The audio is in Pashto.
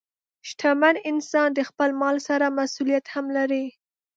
شتمن انسان د خپل مال سره مسؤلیت هم لري.